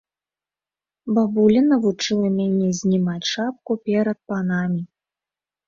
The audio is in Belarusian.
Бабуля навучыла мяне знімаць шапку перад панамі.